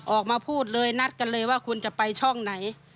ออกมาพูดเลยนัดกันเลยว่าคุณจะไปช่องไหน